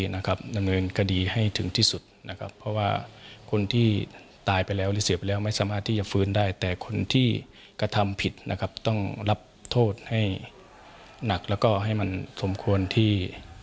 นักและก็ให้มันสมควรที่